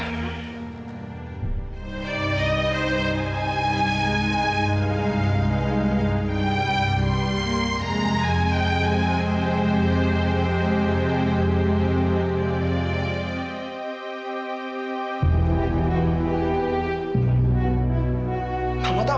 tante aku mau ke rumah